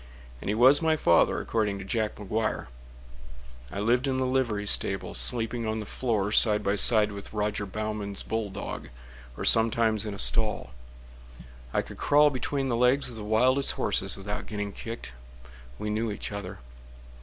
And he was my father, according to Jack McGuire. I lived in the livery stable, Sleeping on the floor Side by side with Roger Baughman's bulldog, Or sometimes in a stall. I could crawl between the legs of the wildest horses Without getting kicked—we knew each other.